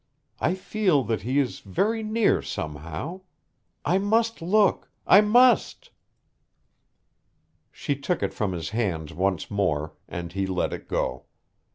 I feel that he is very near, somehow. I must look! I must!" She took it from his hands once more and he let it go.